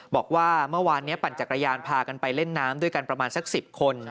บอกว่าเมื่อวานนี้ปั่นจักรยานพากันไปเล่นน้ำด้วยกันประมาณสัก๑๐คน